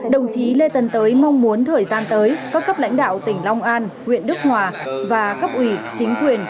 đồng chí lê tân tới mong muốn thời gian tới các cấp lãnh đạo tỉnh long an huyện đức hòa và cấp ủy chính quyền